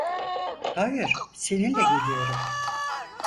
Hayır, seninle geliyorum.